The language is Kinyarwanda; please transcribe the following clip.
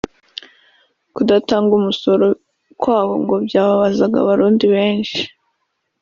Kudatanga umusoro kwabo ngo byababazaga Abarundi benshi